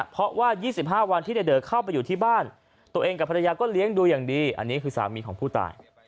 เพราะว่า๒๕วันที่ในเดอเข้าไปอยู่ที่บ้านตัวเองกับภรรยาก็เลี้ยงดูอย่างดีอันนี้คือสามีของผู้ตาย